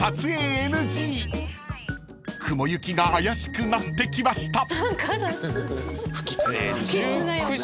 ［雲行きが怪しくなってきました］